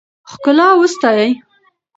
ښکلا وستایئ.